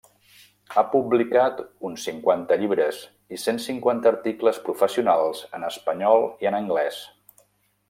Ha publicat uns cinquanta llibres i cent cinquanta articles professionals en espanyol i en anglès.